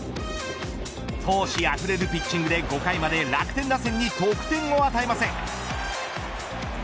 闘志あふれるピッチングで５回まで楽天打線に得点を与えません。